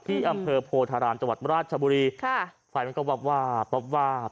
ที่อำเภอโพธารามจังหวัดราชบุรีค่ะไฟมันก็วาบวาบวาบ